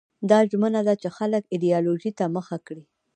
دا ژمنه ده چې خلک ایدیالوژۍ ته مخه کړي.